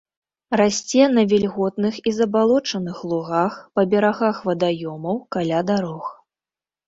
Расце на вільготных і забалочаных лугах, па берагах вадаёмаў, каля дарог.